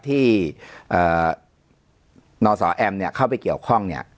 ที่เอ่อนสแอมเนี่ยเข้าไปเกี่ยวข้องเนี่ย